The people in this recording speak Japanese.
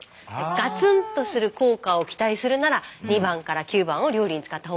ガツンとする効果を期待するなら２番から９番を料理に使った方がいいんです。